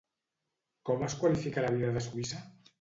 Com es qualifica la vida de Suïssa?